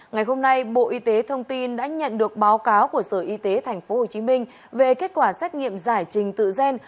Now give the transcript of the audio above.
ngày hôm nay bộ y tế thông tin đã nhận được báo cáo của sở y tế tp hcm về kết quả xét nghiệm giải trình tự gen